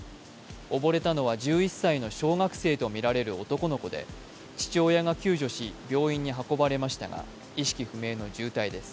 溺れたのは１１歳の小学生とみられる男の子で父親が救助し病院に運ばれましたが意識不明の重体です。